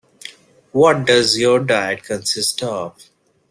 What does your diet consist of?